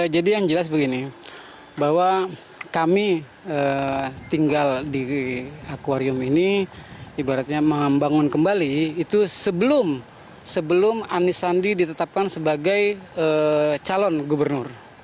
jadi yang jelas begini bahwa kami tinggal di akwarium ini ibaratnya membangun kembali itu sebelum anisandi ditetapkan sebagai calon gubernur